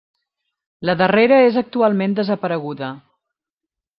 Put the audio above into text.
La darrera és actualment desapareguda.